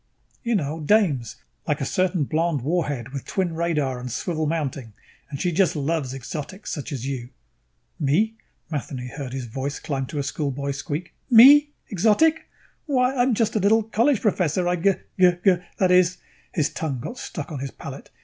"You know. Dames. Like a certain blonde warhead with twin radar and swivel mounting, and she just loves exotics. Such as you." "Me?" Matheny heard his voice climb to a schoolboy squeak. "Me? Exotic? Why, I'm just a little college professor. I g g g, that is " His tongue got stuck on his palate.